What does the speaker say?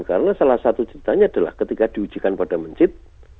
karena salah satu ceritanya adalah ketika diujikan pada mencit